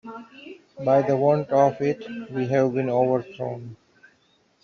By the want of it we have been overthrown.